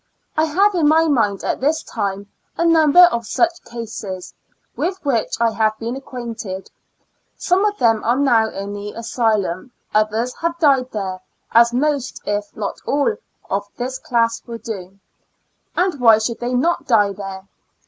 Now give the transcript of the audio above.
I have in my mind at this time a number of such cases, with which I have been acquainted; some of them are now in the asylum; others have died there, as most if not all of this class will do. And why should they not die there